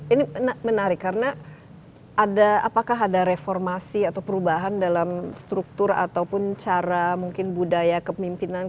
ini menarik karena apakah ada reformasi atau perubahan dalam struktur ataupun cara mungkin budaya kepemimpinan